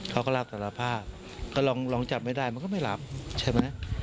เขาก็รับสารภาพก็ลองจับไม่ได้มันก็ไม่หลับใช่ไหม